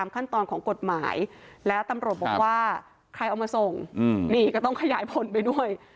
ขั้นตอนของกฎหมายแล้วตำรวจบอกว่าใครเอามาส่งนี่ก็ต้องขยายผลไปด้วย